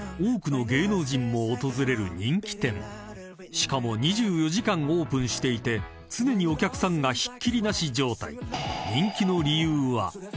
［しかも２４時間オープンしていて常にお客さんがひっきりなし状態］